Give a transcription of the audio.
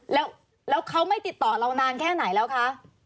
แล้วเขาไม่ติดต่อเรานานแค่ไหนแล้วคะ